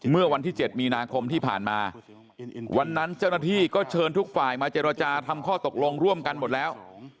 เมื่อวันที่๗มีนาคมที่ผ่านมาวันนั้นเจ้าหน้าที่ก็เชิญทุกฝ่ายมาเจรจาทำข้อตกลงร่วมกันหมดแล้ว